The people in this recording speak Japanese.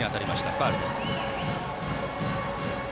ファウルです。